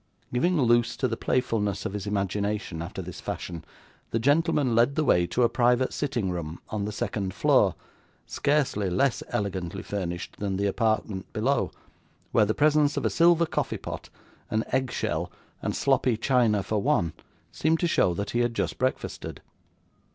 Giving loose to the playfulness of his imagination, after this fashion, the gentleman led the way to a private sitting room on the second floor, scarcely less elegantly furnished than the apartment below, where the presence of a silver coffee pot, an egg shell, and sloppy china for one, seemed to show that he had just breakfasted.